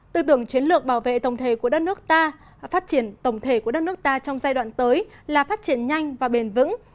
tư tưởng chiến lược bảo vệ tổng thể của đất nước ta phát triển tổng thể của đất nước ta trong giai đoạn tới là phát triển nhanh và bền vững